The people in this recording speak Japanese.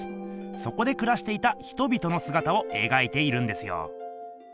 そこでくらしていた人々のすがたをえがいているんですよ。